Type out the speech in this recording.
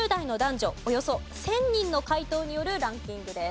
およそ１０００人の回答によるランキングです。